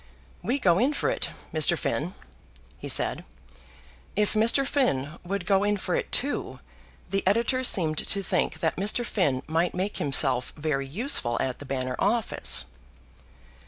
"We go in for it, Mr. Finn," he said. If Mr. Finn would go in for it too, the editor seemed to think that Mr. Finn might make himself very useful at the Banner Office.